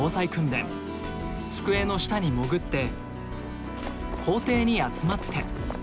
机の下に潜って校庭に集まって。